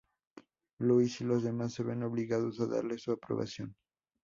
Lois y los demás se ven obligados a darle su aprobación.